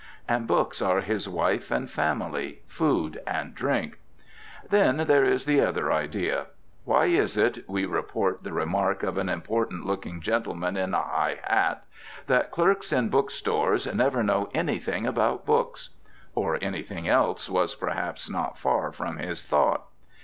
And books are his wife and family, food and drink. Then there is the other idea. "Why is it," we report the remark of an important looking gentleman in a high hat, "that clerks in book stores never know anything about books?" (or anything else, was perhaps not far from his thought.)